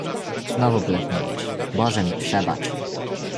"znowu bledniejesz... Boże mi przebacz!"